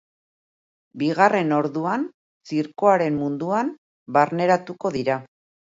Bigarren orduan zirkoaren munduan barneratuko dira.